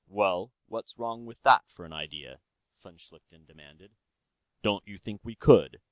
"Well, what's wrong with that, for an idea?" von Schlichten demanded. "Don't you think we could?